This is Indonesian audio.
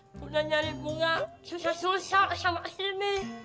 sudah nyari bunga susah susah selama ini